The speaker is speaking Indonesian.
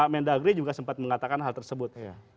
mendagri juga sempat mengatakan hal tersebut